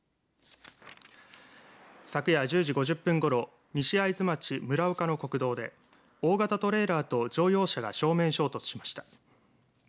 昨夜１０時５０分ごろ西会津町群岡の国道で大型トレーラーと乗用車が正面衝突しました。